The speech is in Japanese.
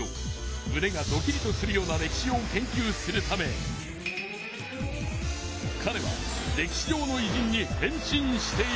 むねがドキリとするような歴史を研究するためかれは歴史上のいじんに変身している。